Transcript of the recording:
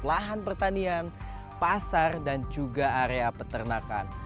lahan pertanian pasar dan juga area peternakan